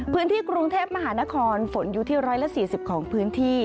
พื้นที่กรุงเทพมหานครฝนอยู่ที่๑๔๐ของพื้นที่